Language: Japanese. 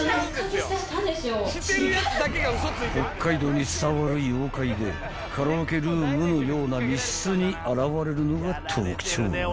［北海道に伝わる妖怪でカラオケルームのような密室に現れるのが特徴］